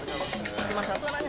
cuma satu anaknya